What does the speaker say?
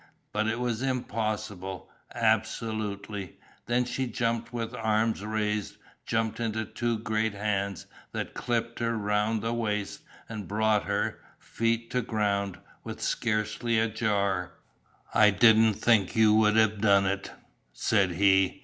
But it was impossible absolutely. Then she jumped with arms raised, jumped into two great hands that clipped her round the waist and brought her, feet to ground, with scarcely a jar. "I didn't think you'd have done it," said he.